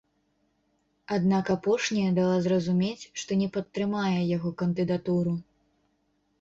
Аднак апошняя дала зразумець, што не падтрымае яго кандыдатуру.